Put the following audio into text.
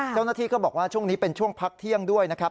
เจ้าหน้าที่ก็บอกว่าช่วงนี้เป็นช่วงพักเที่ยงด้วยนะครับ